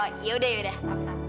oh yaudah yaudah gampang